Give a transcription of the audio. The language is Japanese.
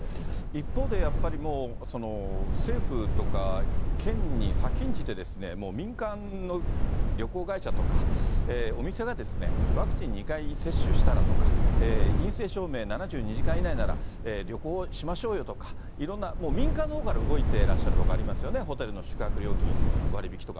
一方で、やっぱりもう、政府とか県に先んじて、もう民間の旅行会社とか、お店が、ワクチン２回接種したらとか、陰性証明７２時間以内なら旅行しましょうよとか、いろんな、民間のほうから動いてらっしゃるところありますよね、ホテルの宿泊料金割引とか。